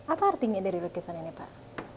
apa artinya dari lukisan ini pak